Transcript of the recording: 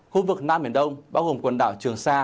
khu vực nam biển đông bao gồm quần đảo trường sa